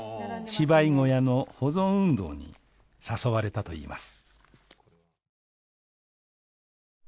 芝居小屋の保存運動に誘われたといいます